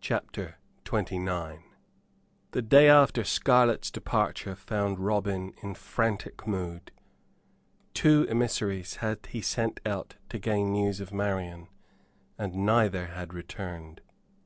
CHAPTER XXIX The day after Scarlett's departure found Robin in frantic mood. Two emissaries had he sent out to gain news of Marian, and neither had returned.